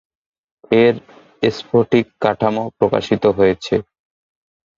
এর স্ফটিক কাঠামো প্রকাশিত হয়েছে।